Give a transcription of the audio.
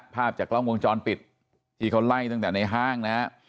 ภาพจากกล้องวงจรปิดที่เขาไล่ตั้งแต่ในห้างนะฮะ